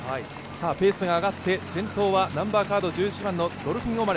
ペースが上がって先頭は１１番のドルフィン・オマレ。